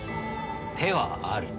手はある。